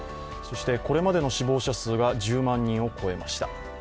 これまでの死亡者数が１０万人を超えました。